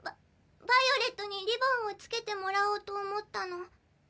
ヴァイオレットにリボンを着けてもらおうと思ったの。